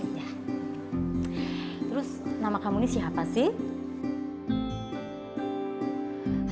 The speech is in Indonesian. terus nama kamu ini siapa sih